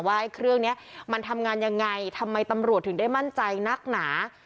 ว่าเครื่องนี้มันทำงานยังไงทำไมตำรวจถึงได้มั่นใจนักหนา